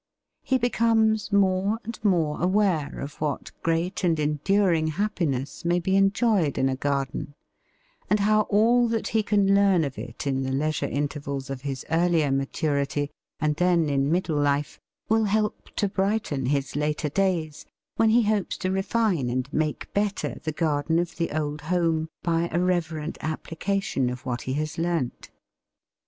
He becomes more and more aware of what great and enduring happiness may be enjoyed in a garden, and how all that he can learn of it in the leisure intervals of his earlier maturity, and then in middle life, will help to brighten his later days, when he hopes to refine and make better the garden of the old home by a reverent application of what he has learnt.